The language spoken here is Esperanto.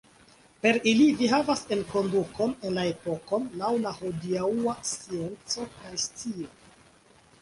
Per ili vi havas enkondukon en la epokon laŭ la hodiaŭa scienco kaj scio.